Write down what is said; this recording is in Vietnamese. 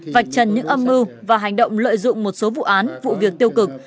vạch trần những âm mưu và hành động lợi dụng một số vụ án vụ việc tiêu cực